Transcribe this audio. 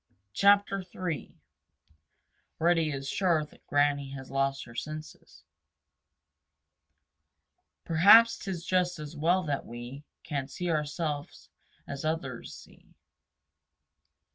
CHAPTER III Reddy Is Sure Granny Has Lost Her Senses Perhaps 'tis just as well that we Can't see ourselves as others see.